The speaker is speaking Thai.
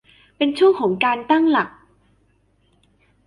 เป็นช่วงของการตั้งหลัก